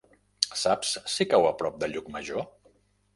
Saps si cau a prop de Llucmajor?